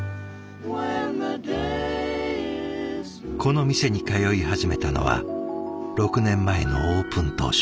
この店に通い始めたのは６年前のオープン当初。